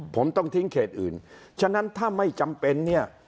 ผมต้องทิ้งเขตอื่นฉะนั้นถ้าไม่จำเป็นเนี่ย